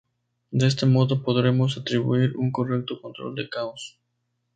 De este modo podremos atribuir un correcto control en caos"'.